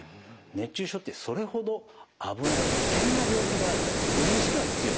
熱中症ってそれほど危ない危険な病気であるという認識は必要です。